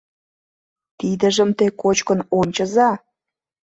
— Тидыжым те кочкын ончыза..